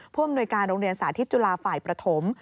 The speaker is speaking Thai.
ผู้อำนวยการโรงเรียนสาธิตจุฬาฝ่ายประถม